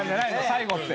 最後って。